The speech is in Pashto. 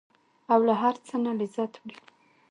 او له هر څه نه لذت وړي.